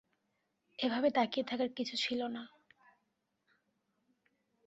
এভাবে তাকিয়ে থাকার কিছু ছিল না।